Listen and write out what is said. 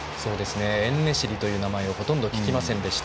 エンネシリという名前をほとんど聞きませんでした。